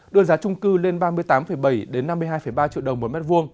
đưa giá trung cư lên ba mươi tám bảy năm mươi hai ba triệu đồng một m hai